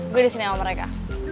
gue disini sama mereka